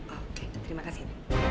oke terima kasih